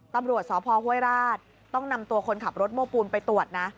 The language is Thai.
ตำรวจสพห้วยราชต้องนำตัวคนขับรถโม้ปูนไปตรวจนะ